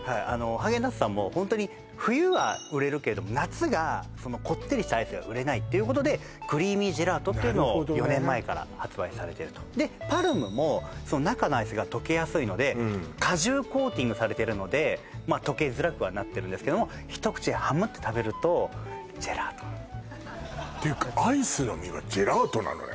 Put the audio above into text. ハーゲンダッツさんもホントに冬は売れるけども夏がそのこってりしたアイスが売れないっていうことでクリーミージェラートっていうのを４年前から発売されてるとでＰＡＲＭも中のアイスが溶けやすいので果汁コーティングされてるので溶けづらくはなってるんですけども一口はむって食べるとジェラートなんですっていうかあれジェラート